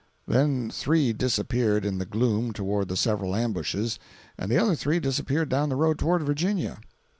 Then three disappeared in the gloom toward the several ambushes, and the other three disappeared down the road toward Virginia.